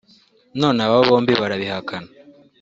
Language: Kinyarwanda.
none aba bombi barabihakana